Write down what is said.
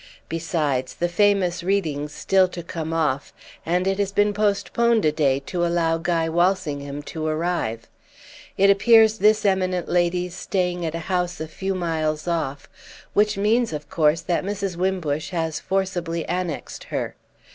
Besides, the famous reading's still to come off, and it has been postponed a day to allow Guy Walsingham to arrive. It appears this eminent lady's staying at a house a few miles off, which means of course that Mrs. Wimbush has forcibly annexed her.